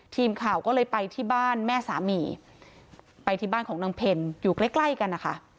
ทีมข่าวก็เลยไปที่บ้านแม่สามีไปที่บ้านของนางเพลอยู่ใกล้ใกล้กันนะคะ